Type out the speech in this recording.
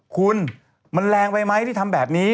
คุณมันแรงไปไหมที่ทำแบบนี้